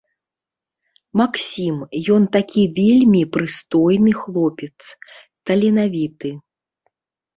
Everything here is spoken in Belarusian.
Максім, ён такі вельмі прыстойны хлопец, таленавіты.